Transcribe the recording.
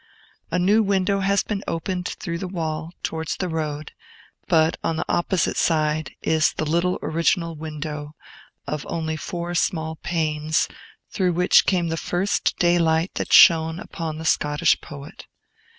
A new window has been opened through the wall, towards the road; but on the opposite side is the little original window, of only four small panes, through which came the first daylight that shone upon the Scottish poet.